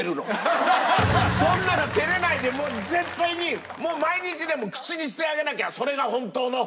そんなの照れないでもう絶対に毎日でも口にしてあげなきゃ！